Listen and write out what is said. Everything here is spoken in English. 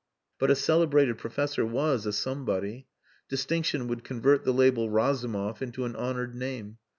But a celebrated professor was a somebody. Distinction would convert the label Razumov into an honoured name.